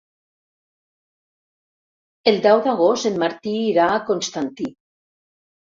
El deu d'agost en Martí irà a Constantí.